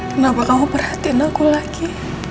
kenapa kamu perhatiin aku lagi